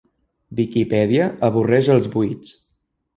Viquipèdia avorreix els buits.